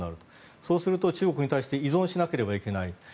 そうすると、中国に対して依存しなければいけない。